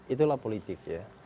itulah politik ya